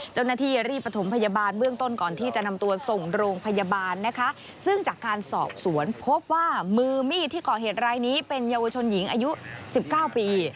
เจ้าหน้าที่รีบประถมพยาบาลเบื้องต้นก่อนที่จะนำตัวส่งโรงพยาบาลนะคะซึ่งจากการสอบสวนพบว่ามือมีดที่ก่อเหตุรายนี้เป็นเยาวชนหญิงอายุ๑๙ปี